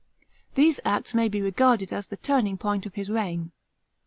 These acts may be regarded as the turning point of the reign.